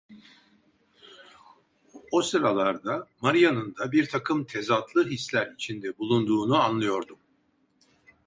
O sıralarda Maria'nın da birtakım tezatlı hisler içinde bulunduğunu anlıyordum.